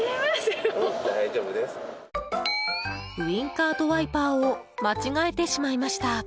ウィンカーとワイパーを間違えてしまいました。